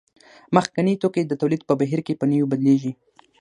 مخکیني توکي د تولید په بهیر کې په نویو بدلېږي